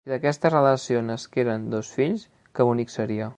Si d'aquesta relació nasqueren dos fills, que bonic seria!